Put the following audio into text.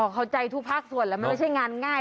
เข้าใจทุกภาคส่วนแล้วมันไม่ใช่งานง่าย